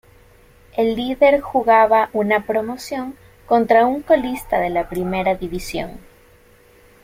El líder jugaba una promoción contra un colista de la primera división.